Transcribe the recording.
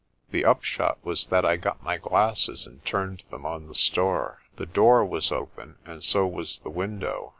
The upshot was that I got my glasses and turned them on the store. The door was open, and so was the window.